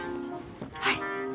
はい。